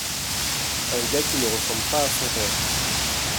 Un gars qui ne ressemble pas à son père.